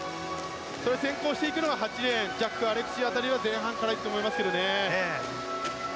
先行していくのが８レーンのジャック・アレクシー辺りも行くと思いますね。